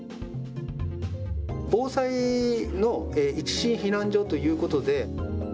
防災の一時避難所ということで。